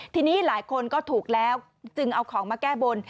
ทีนี้หลายคนก็ถูกแล้วจึงเอาของมาแก้บน